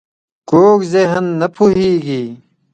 کوږ ذهن نه پوهېږي